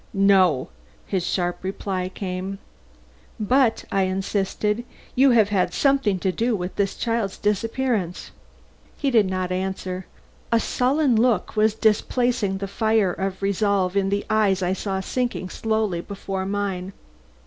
"No." His reply came quick and sharp. "But," I insisted, "you have had something to do with this child's disappearance." He did not answer. A sullen look was displacing the fire of resolve in the eyes I saw sinking slowly before mine.